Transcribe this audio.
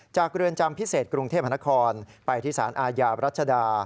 เรือนจำพิเศษกรุงเทพนครไปที่สารอาญารัชดา